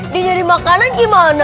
dia nyari makanan gimana